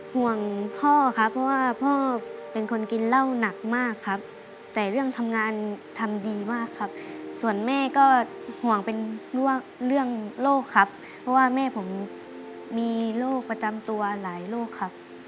ห่วงพ่อครับเพราะว่าพ่อเป็นคนกินเหล้าหนักมากครับแต่เรื่องทำงานทำดีมากครับส่วนแม่ก็ห่วงเป็นเรื่องโรคครับเพราะว่าแม่ผมมีโรคประจำตัวหลายโรคครับ